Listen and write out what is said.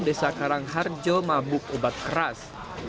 desa karangharjo mabuk obat keras